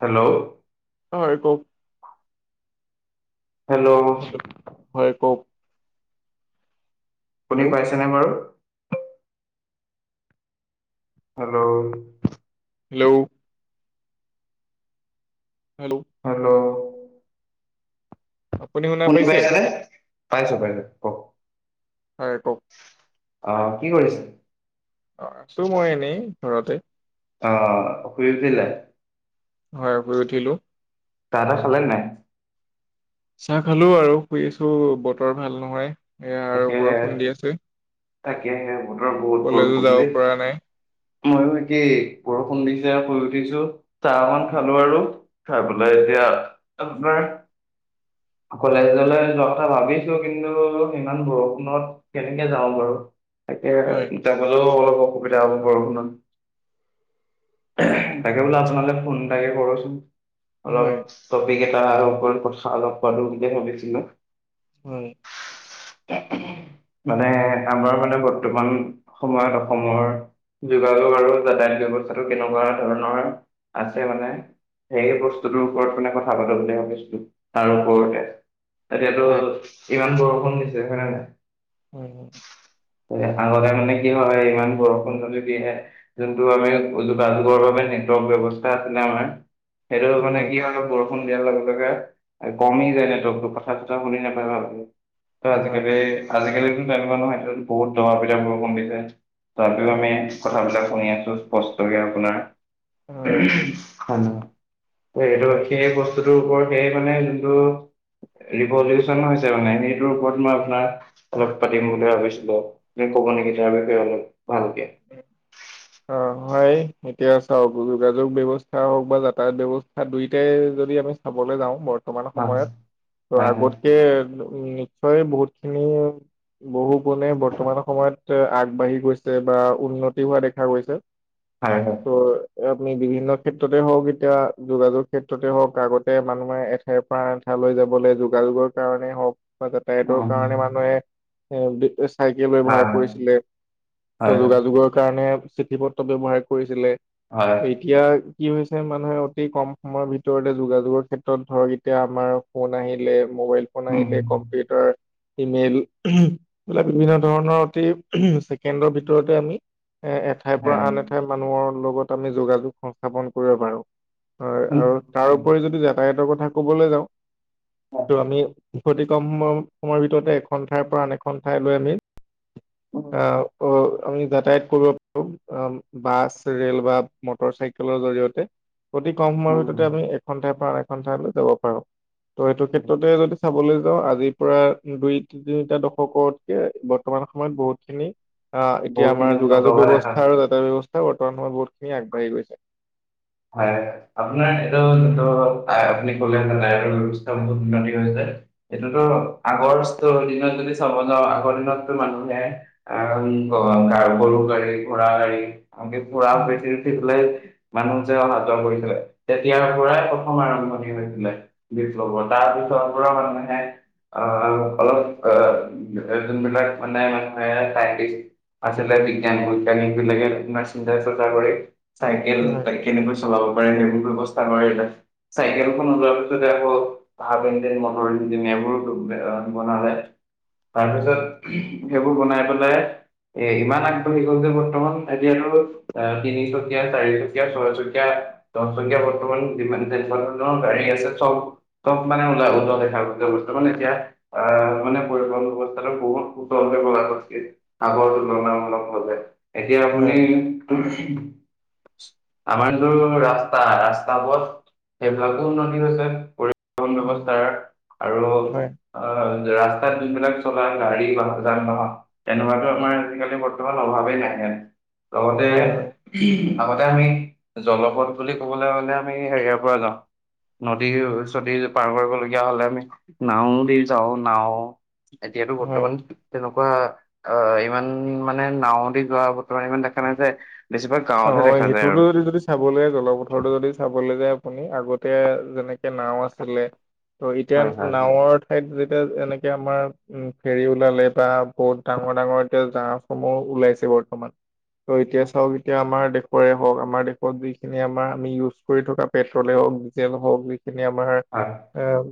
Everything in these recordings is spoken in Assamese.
হেল্ল' হয় কওক হেল্ল, হয় কওক। সোনি হেল্ল' পাইছেনে বাৰু? হেল্ল' হেল্ল'ঊ হেল্ল' আপুনি শুনা শুনি পাইছে? পাইছেনে পাইছো পাইছো ক'ক। হয় ক'ক? আহ কি কৰিছে? অ আছো মই এনেই ঘৰতে। অ শুই উঠিলা হয় শুই উঠিলো। [unintelligible] চাহ খালো আৰু শুই আছো বতৰ ভাল নহয় এয়া আৰু বৰষুণ দি আছে। তাকেহে বতৰ বহুত কলেজো বৰষুণ যাব দেই পৰা নাই মই একেই বৰষুণ দিচে আৰু শুই উঠিছো। চাহ মান উম, খালো আৰু খাই পেলাই হয় এতিয়া। আপোনাৰ কলেজলৈ যোৱা কথা ভাবিছো কিন্তু ইমান বৰষুণত কেনেকে যাওঁ বাৰু হয় তাকে যাবলেও অলপ অসুবিধা হ'ব বৰষুণ। তাকে বোলো আপোনাৰ লে ফোন তাকে কৰচোন। হয় অলপ টপিক এটা আৰম্ভ কথা অলপ পালো বুলিয়ে ভাবিছিলো। উম মানে আমাৰ মানে বৰ্তমান সময়ত অসমৰ যোগাযোগ আৰু যাতায়ত ব্যৱস্থাটো কেনেকুৱা ধৰণৰ আছে মানে। সেই বস্তুটোৰ ওপৰত মানে কথা পাতো বুলি ভাবিছিলো তাৰ ওপৰতে এতিয়াতো হয় ইমান বৰষুণ দিছে হয়নে নাই। হয় হয় আগতে মানে কি হয় ইমান বৰষুণ যদিহে যোনটো আমি যোগাযোগৰ বাবে। নেটৱৰ্ক ব্যৱস্থা আছিলে আমাৰ সেইটো মানে হয় কি হল দিয়াৰ লগে লগে কমি যায় নেটৱৰ্কটো কথা চথা শুনি নাপায় ভালকে। ত হয় আজিকালি আজিকালিটো তেনেকুৱা নহয় বহুত দবা পিতা বৰষুণ দিছে। তথাপিও হয় আমি কথাবিলাক শুনি আছো স্পষ্টকে আপোনাৰ। উমহ্‌ হেল্ল এইটো হয় খে বছ স্তুটো ওপৰত হেই মানে যোনটো, ৰীভলোৱেচন হৈছে মানে সেই ওপৰত মই উম, আপোনাক লগ পাতিম বুলি ভাৱিছিলোঁ। আপোনি ক'ব নেকি তাৰ বিষয় অলপ? ভালকে উম। অ হয় এতিয়া চাওক যোগাযোগ ব্যৱস্থা হওক বা যাতায়াত ব্যৱস্থা দুইটাই যদি আমি চাবলৈ যাওঁ বৰ্তমান হয় সময়ত ত হয় হয় আগতকে উ নিশ্চয় বহুত খিনি বহু গুণে বৰ্তমান সময়ত আগবাঢ়ি গৈছে বা উন্নতি হোৱা দেখা গৈছে। হয় হয়। আমি বিভিন্ন ক্ষেত্ৰতে হওক এতিয়া যোগাযোগ ক্ষেত্ৰতে হওক আগতে মানুহে এঠাইৰ পৰা আন ঠাই যাবলৈ যোগাযোগৰ কাৰণে হওক বা যাতায়তৰ অঁ কাৰণে মানুহে এ চাইকেল হয় ব্যৱহাৰ কৰিছিলে, ত হয় হয় যোগাযোগৰ কাৰণে চিঠি পত্ৰ ব্যৱহাৰ কৰিছিলে। এতিয়া কি হৈছে মানুহে অতি কম সময়ৰ ভিতৰতে যোগাযোগৰ ক্ষেত্ৰত ধৰক এতিয়া আমাৰ ফোন আহিলে। মোবাইল ফোন আহিলে কম্পিউটাৰ ইমেইল এইবিলাক বিভিন্ন ধৰণৰ অতি ছেকেণ্ডৰ ভিতৰতে আমি এ এঠাইৰ পৰা হয় আন এঠাইৰ মানুহৰ লগত আমি যোগাযোগ সংস্থাপন কৰিব পাৰোঁ। হয় আৰু তাৰ উপৰি যদি যাতায়াতৰ কথা কবলৈ যাওঁ ত আমি ক্ষতি কম সম সময়ৰ ভিতৰতে এখন ঠাইৰ পৰা আন এখন ঠাই লৈ আমি অ অ আমি যাতায়াত কৰিব। উম, আ বাছ, ৰে'ল বা মটৰ চাইকেলৰ জৰিয়তে। অতি কম সময়ৰ ভিততে আমি এখন ঠাইৰ পৰা আন এখন ঠাইলৈ যাব পাৰো ত' সেইটো ক্ষেত্ৰতে যদি চাবলৈ যাওঁ আজিৰ পৰা দুই তিনিটা দশকতকে বৰ্তমান সময়ত বহুত খিনি। আ, এতিয়া বহুতখিনি আমাৰ উন্নত যোগাযোগ হোৱা দেখা ব্যৱস্থা আৰু গৈছে যাতায়ত ব্যৱস্থা বৰ্তমান সময়ত বহুতখিনি আগবাঢ়ি গৈছে। হয় আপোনাৰ এইটো জোনটো আপুনি কলে হলে ন [unintelligible] বহুত উন্নতি হৈছে সেইটোতো আগৰ স্তৰ দিনত যদি চাব যাওঁ আগৰ দিনতো মানুহে আহ গ গৰু গাড়ী, ঘোঁৰা গাড়ী আনকি ঘোঁৰাৰ হয় পিঠিত উঠি পেলাই মানুহ যে অহা যোৱা কৰিছিলে। তেতিয়াৰ পৰাই প্ৰথম আৰম্ভণি হৈছিলে বিপ্লৱৰ, তাৰ পিছৰ পৰা [unintelligible] অ অলপ অ যোনবিলাক মানে মানুহে টাইম দিছি- আছিলে বিজ্ঞান বৈজ্ঞানিক বিলাকে চিন্তা চৰ্চা কৰি চাইকেল হয় তাই কেনেকৈ চলাব পাৰে সেইবোৰ ব্যৱস্থা কৰে ইয়াৰ। চাইকেলখন ওলোৱাৰ পিছতে আকৌ হা পেণ্ডেন মটৰ ইঞ্জিন এইবোৰোতো বনালে। তাৰপিছত সেইবোৰ বনাই পেলাই। এ ইমান আগবাঢ়ি গল যে বৰ্তমান আজি আৰু অ তিনিচুকীয়া চাৰিক ছয়চকীয়া দহচকীয়া বৰ্তমান যিমান তেনে ধৰৰ গাড়ী আছে চব চব মানে। উজ দেখা অৱস্থা মানে এতিয়া আ মানে পৰিবহন ব্যৱস্থাৰ বহুত উত প্ৰভাৱ কৰিছে। আগৰ তুলনামূলক হলে এতিয়া আপুনি হয় আমাৰ দিনতকৈ ৰাস্তা, ৰাস্তা পথ সেইবিলাকো উন্নতি হৈছে। পৰি ব্যৱস্থাৰ আৰু অ হয় ৰাস্তাত যোনবিলাক চলা গাড়ী বাহ যান বাহন তেনেকুৱাতো আমাৰ আজিকালি বৰ্তমান অভাৱে নাই। এ হয় হয় লগতে আগতে আমি জলপথ বুলি ক'বলৈ গ'লে সে সেয়াৰ পৰা যাওঁ। নদীৰ চদী পাৰ কৰিবলগীয়া হলে আমি নাও দি যাওঁ নাও। এতিয়াতো হয় বৰ্তমান তেনেকুৱা অ ইমান মানে নাৱদি যোৱা বৰ্তমান ইমান দেখা নাযায়। বেছিভাগ গাঁৱতহে অ', দেখা যায় সেইটোতো আৰু। যদি যদি চাবলীয়া জলপথৰটো, যদি চাবলে যায় আপুনি আগতে যেনেকে নাওঁ আছিলে ত এতিয়া হয় হয় হয় নাৱৰ ঠাইত এতিয়া এনেকে আমাৰ উম ফেৰি ওলালে বা বহুত ডাঙৰ- ডাঙৰ এতিয়া জাহাজসমূহ ওলাইছে বৰ্তমান, ত এতিয়া চাওঁ আমাৰ দেশৰে হওক আমাৰ দেশত যিখিনি আমাৰ আমি ইউজ কৰি থকা পেট্ৰলে হওক, ডিজেল হওক এনেই আমাৰ এ হয়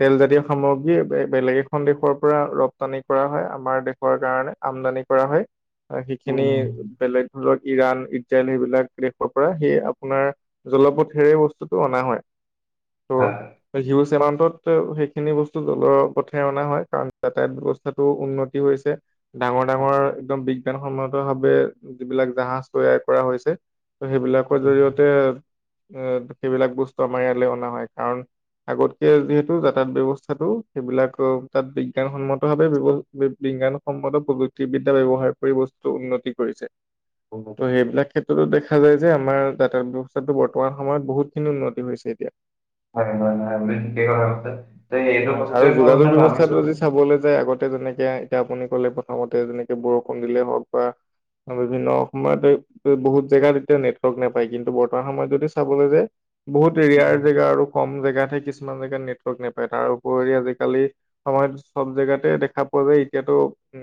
তেল জাতীয় সামগ্ৰী বে বেলেগ এখন দেশৰ পৰা ৰপ্তানি কৰা হ'য়, আমাৰ দেশৰ কাৰণে আমদানি কৰা হয়, সেইখিনি উম বেলেগ ধৰক ইৰাণ ই তেল সেইবিলাক দেশৰ পৰা সেই আপোনাৰ জলপথেৰে সেই বস্তুটো অনা হয়। ত হয় হিউছেমাম তত ত সেইখিনি বস্তু জলৰ পথেৰে অনা হয় কাৰণ যাতায়ত ব্যৱস্থাটো উন্নতি হৈছে ডাঙৰ -ডাঙৰ একদম বিজ্ঞান সন্মতভাৱে যিবিলাক জাহাজ তৈয়াৰ কৰা হৈছে ত সেইবিলাকৰ উম জৰি়য়তে এ সেইবিলাক বস্তু আমাৰ ইয়ালৈ অনা হয় কাৰণ আগতকে যিহেতু যাতায়াত ব্যৱস্থাটো সেইবিলাক তাত বিজ্ঞানসন্মত ভাৱে ব্যব ব বি বিজ্ঞানসন্মত প্ৰযুক্তিবিদ্যা ব্যৱহাৰ কৰি বস্তু উন্নতি কৰিছে। অঁ ত' হয়। সেইবিলাক ক্ষেত্ৰতো দেখা যায় যে আমাৰ যাতায়ত ব্যৱস্থাটো বৰ্তমান সময়ত বহুতখিনি উন্নতি হৈছে এতিয়া। হয় ন নহয় ঠিকেই কথা কৈছে, এইটো হয় বস্তুৱে মই মানে ভাবিছো তে যেনেকে এতিয়া আপুনি কলে প্ৰথমতে, যেনেকে বৰষুণ দিলেই হওক বা বিভিন্ন অসময়তে বহুত জেগাত এতিয়া নেটৱৰ্ক নোপায় কিন্তু বৰ্তমান সময়ত যদি চাবলৈ যে বহুত ৰিয়াৰ জেগা আৰু কম ম জেগাত হে কিছুমান জেগাত নেটৱৰ্ক নাপায়, তাৰ উপৰি আজিকালি সময়ত চব জেগাতে দেখা পোৱা এতিয়াটো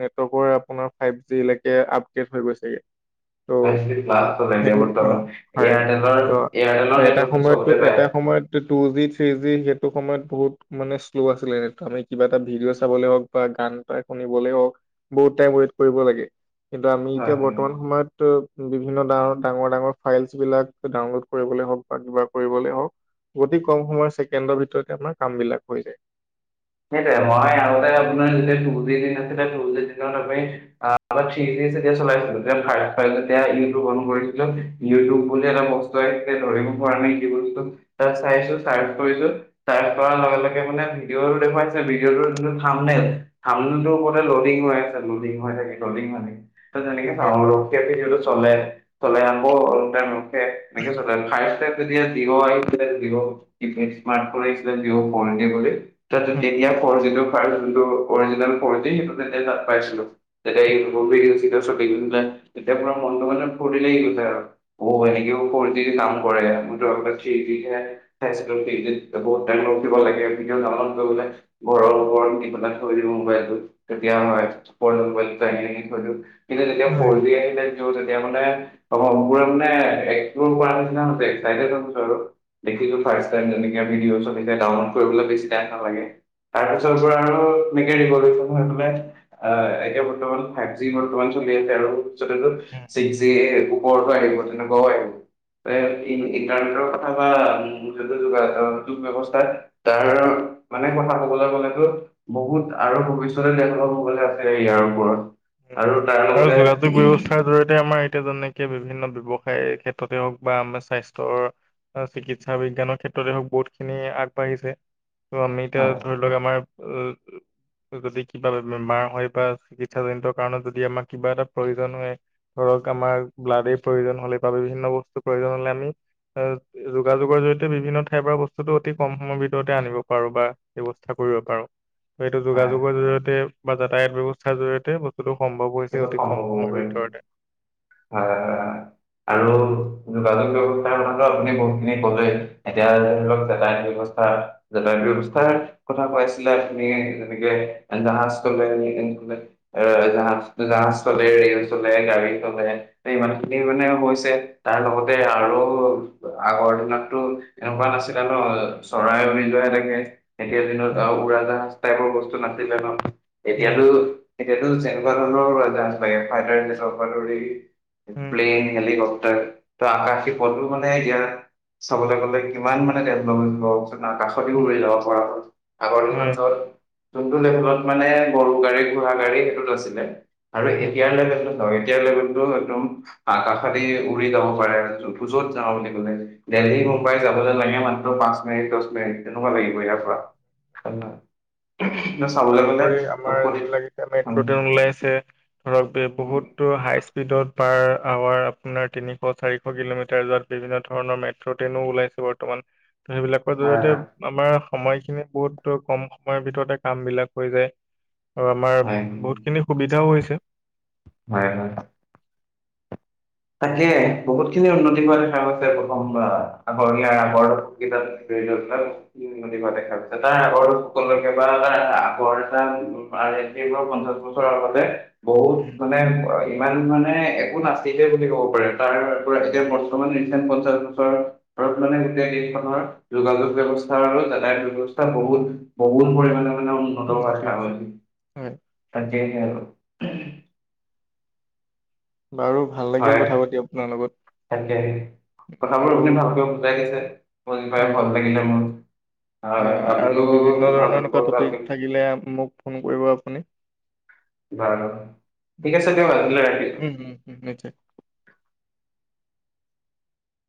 নেটৱৰ্কৰ আপোনাৰ ফাইভ জি লৈকে আপডেট হৈ গৈছেগে, ত' মানে ক্লাছ চলে এতিয়া সেইটো অ বৰ্তমান হয় এয়াৰটেলৰ ত এয়াৰটেলৰ এটা নেটৱৰ্কটো সময়তটো চবতে পায় এটা সময়তটো টু জি থ্ৰি জি সেইটো সময়ত বহুত মানে শ্ল' আছিলে এনে আমি কিবা এটা ভিডিঅ' চাবলে হওঁক বা গান এটা শুনিবলৈ হওক। বহুত টাইম ৱেট কৰিব লাগে, কিন্তু আমি হয় এতিয়া হয় বৰ্তমান হয় সময়ত বিভিন্ন ডাঙৰ ডাঙৰ ডাঙৰ ফাইলচ বিলাক ডাউনলোড কৰিবলৈ হওক বা কিবা কৰিবলে হওক অতি কম সময়ৰ ছেকেণ্ডৰ ভিতৰতে আমাৰ কাম বিলাক হৈ যায়। [unintelligible] ঠিক আছে তেতিয়া চলাইছিলো তেতিয়া ইউটিউব অন কৰিছিলো ইউটিউব বুলি এটা বস্তু আহিছিলে ধৰি ব পৰা নাই কি বস্তু তাত চাইছো চাৰ্চ কৰিছো চাৰ্চ কৰাৰ লগে লগে মানে ভিডিঅ' বেলেগ সোমাইছে ভিডিঅটোৰ যোনটো থাম্বনেল, থাম্বনেলটোৰ মতে লডিং হৈ আছে লডিং হৈ থাকে লডিং হৈ থাকে। হয় [unintelligible] যিটো চলে চলাই আকৌ উল্টাই মোক হে, সেনেকেই চলাই, ফাৰ্ষ্ট টাইম যেতিয়া, ভিভো আৰু যেতিয়া ভিভো আৰু ইনফিনিক্স স্মাৰ্ট কৰিছিলে নিউ পামহে বুলি, ত তেতিয়া ফৰ যিটো তাৰ যোনটো অৰিজিনেল ফৰ্তি কৰি সেইটো তে তাত পাইছিলো তেতিয়া এই [inaudible] গ তেতিয়া পৰা মনটো মানে ফূৰ্তি লাগি গৈছে আৰু অ সেনেকেও ফৰি [unintelligible] দিব লাগে জ ল বুলে, ঘৰৰ ওপৰত নি পেলাই থৈ দিও মোবাইলটো তেতিয়া হয় ওপৰত মোবাইলটো ডাঙি কিন্তু যেতিয়া ফৰ জি আহিলে তেওঁ তেতিয়া মানে অ মোৰে মানে একোৰ কৰা নিচিনা আৰু দেখিলো ফাৰ্ষ্ট টাইম [inaudible] ভিডিঅছ এতিয়া ডাউনলোড কৰিবলে বেছি টাইম নালাগে। তাৰপিছতবোৰ আৰু মকেৰি গে [inaudible] অ এতিয়া বৰ্তমান ফাইভ জি বৰ্তমান চলি আছে আৰু পিছত তেওলোক ছিক্স জি ওপৰতো আহি তেনে গোৱা আহ। হয় ইণ্টাৰনেটৰ কথা বা য যোগা যোগ ব্যৱস্থা তাৰ মানে কথা কবলৈ গলেতো বহুত আৰু ভৱিষ্যতে দেখা পাবলে আছেই ইয়াৰ ওপৰত। উম আৰু তাৰ আৰু লগতে যোগাযোগ ব্যৱস্থাৰ জৰিয়তে আমাৰ এতিয়া যেনেকে বিভিন্ন ব্যৱসায় ক্ষেত্ৰতে হওক বা আমাৰ স্বাস্থ্যৰ অঁ চিকিৎসা বিজ্ঞানৰ ক্ষেত্ৰতে হওক বহুতখিনি আগবাঢ়িছে। ত আমি এতিয়া হয় ধৰি লওক আমাৰ যদি কিবা বেমাৰ হয় বা চিকিৎসাজনিত কাৰণত যদি আমাক কিবা এটা প্ৰয়োজন হয়। ধৰক আমাৰ ব্লাডে প্ৰয়োজন হ'লে বা বিভিন্ন বস্তুৰ প্ৰয়োজন হলে আমি। অ যোগাযোগৰ জৰিয়তে বিভিন্ন ঠাই বা বস্তুটো অতি কম সময়ৰ ভিতৰতে আনিব পাৰো বা ব্যৱস্থা কৰিব পাৰো এইটো হয় যোগাযোগৰ জৰিয়তে বা যাতায়াত ব্যৱস্থাৰ জৰিয়তে। বস্তুটো সম্ভৱ হৈছে সেইটো অতি কম সম্ভৱ সময়ৰ হব ভিতৰতে। পাৰিব আহ আৰু যোগাযোগ ব্যৱস্থাৰ ম আপুনি বহুতখিনি কলে এতিয়া হয়, ধৰি লওক যাতায়ত ব্যৱস্থা হয় যাতায়তৰ ব্যৱস্থাৰ কথা কয় আছিলা। আপুনি যেনেকে জাহাজ চলে আ এ উৰাজাহাজ বাচ চলে, ৰেল চলে, গাড়ী চলে ইমান খিনি মানে হৈছে। তাৰ লগতে আৰু। আগৰ দিনততো এনেকুৱা নাছিলে ন চৰাই উৰি যোৱা হে থাকে। এতিয়া দিনত আৰু উৰা জাহাজ টাইপৰ বস্তু নাছিলে ন হয়, এতিয়াতো এতিয়াতো যেনেকুৱা ধৰ ফাইটাৰ চি উম, প্লেন হলিকপ্টাৰ। ত আকাশী পথটো মানে ইয়াত চাবলৈ গলে কিমান মানে ডেভলপ হৈ কাষতিবোৰ উম, উৰি যাব পৰা হল আগৰ হয়, দিনত যোনটো লেবেলত মানে গৰু গাড়ী, ঘোঁৰা গাড়ী লৈছিলে। আৰু উম। এতিয়াৰ লেভেলটো ন এতিয়াৰ লেভেলটো একদম আকাশেদি উৰি যাব পাৰে। যত যাওঁ বুলি কলে দেলহী মুম্বাই যাবলৈ লাগে মাত্ৰ পাঁচ মিনিট দহ মিনিট। কেনেকুৱা লাগিব ইয়াৰ পৰা? চাবলৈ গলে তাৰোপৰি আমাৰ তপক দি। যিবিলাক এতিয়া উম মেট্ৰ' ট্ৰেইন ওলাইছে ধৰক উম, বহুতো হাই স্পীডত পাৰ আৱাৰ আপোনাৰ তিনিশ চাৰিশ কিলোমিটাৰ যত বিভিন্ন ধৰণৰ মেট্ৰ' ট্ৰেইনো ওলাইছে বৰ্তমান। সেইবিলাকৰ হয় জৰিয়তে। হয় আমাৰ সময়খিনি বহুত কম সময়ৰ ভিতৰতে কাম বিলাক হৈ যায়। আৰু আমাৰ হয় বহুতখিনি সুবিধাও হৈছে। হয়। হয় তাকে বহুত খিনি উন্নতি হোৱা দেখা গৈছে প্ৰথম পৰা। দেখা পাইছে তাৰ আগৰ সকলোকে বা তাৰ আগৰ এটা বোৰৰ পঞ্চাশ বছৰৰ আগতে বহুত মানে ইমান মানে একো নাছিল। বুলি ক'ব পাৰে তাৰ পৰা এতিয়া বৰ্তমান ৰিচেণ্ট পঞ্চাশ বছৰৰ মানে গোটেই দেশখনৰ যোগাযোগ ব্যৱস্থা আৰু যাতায়ত ব্যৱস্থা বহুত বহুত পৰিমাণে উন্নত হোৱাৰ উন্নতি হৈছে কাৰণ। হয়। তাকেহে আৰু বাৰু ভাল লাগিল হয় কথা পাতি আপোনাৰ লগত। তাকে উম, কথাবোৰ আৰু আপুনি ভালকৈ বুজাই দিছে। বুজি পাই হয় ভাল লাগিলে মোৰ। আহ হয় হয় আৰু আপুনিও বিভিন্ন ভাল ধৰণৰ এনেকুৱা বহুত ভালকে টপিক থাকিলে মোক ফোন কৰিব আপুনি। বাৰু। ঠিক আছে দিয়ক আজিলে ৰাখিলো। উম, উম, উম, নিশ্চয়